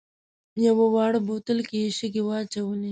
یوه واړه بوتل کې یې شګې واچولې.